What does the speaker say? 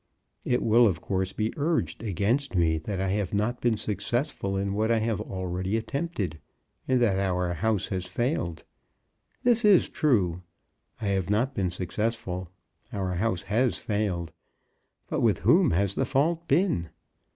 It will, of course, be urged against me that I have not been successful in what I have already attempted, and that our house has failed. This is true. I have not been successful. Our house has failed. But with whom has the fault been?